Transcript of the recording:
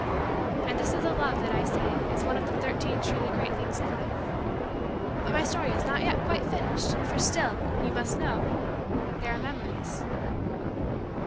And this is the love that I say, is one of the Thirteen Truly Great Things of Life. But my story is not yet quite finished for still, you must know, there are Memories.